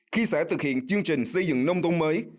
khi sẽ thực hiện chương trình xây dựng nông thuận mới